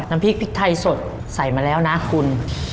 น้ำพริกพริกไทยสดใส่มาแล้วนะคุณ